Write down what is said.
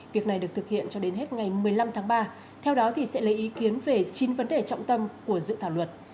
việc này được thực hiện cho đến hết ngày một mươi năm tháng ba theo đó sẽ lấy ý kiến về chín vấn đề trọng tâm của dự thảo luật